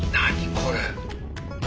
これ。